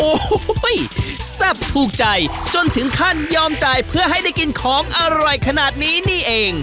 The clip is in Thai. โอ้โหแซ่บถูกใจจนถึงขั้นยอมจ่ายเพื่อให้ได้กินของอร่อยขนาดนี้นี่เอง